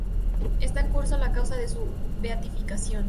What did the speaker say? Está en curso la causa de su beatificación.